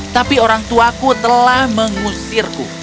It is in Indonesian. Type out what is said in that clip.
tapi orangtuaku telah mengusirku